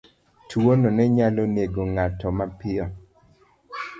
Tuwono ne nyalo nego ng'ato mapiyo.